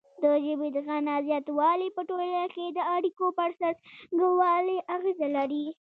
د ژبې د غنا زیاتوالی په ټولنه کې د اړیکو پر څرنګوالي اغیزه لري.